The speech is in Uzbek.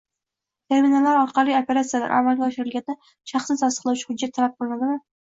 terminallar orqali operatsiyalar amalga oshirilganda shaxsini tasdiqlovchi hujjat talab qilinadimi?